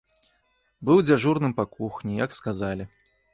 Быў дзяжурным па кухні, як сказалі.